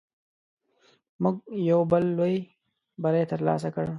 موږ یو بل لوی بری تر لاسه کړ.